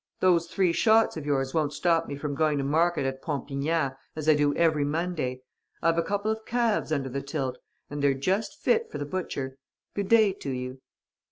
Those three shots of yours won't stop me from going to market at Pompignat, as I do every Monday. I've a couple of calves under the tilt; and they're just fit for the butcher. Good day to you!"